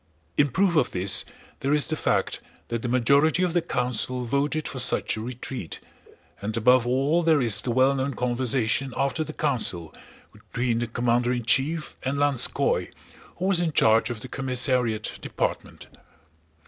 In proof of this there is the fact that the majority of the council voted for such a retreat, and above all there is the well known conversation after the council, between the commander in chief and Lanskóy, who was in charge of the commissariat department.